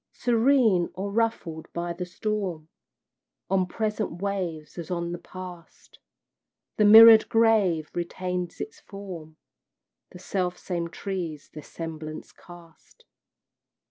Serene, or ruffled by the storm, On present waves as on the past, The mirrored grave retains its form, The self same trees their semblance cast.